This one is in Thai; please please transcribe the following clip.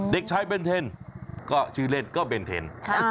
เด็กชายเบนเทนก็ชื่อเล่นก็เบนเทน